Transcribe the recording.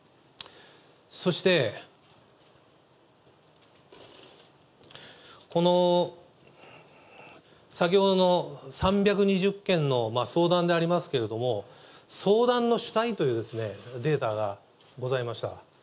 そしてこの、先ほどの３２０件の相談でありますけれども、相談の主体というデータがございました。